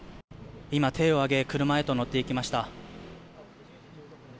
今、手を上げ車へと乗っていきました。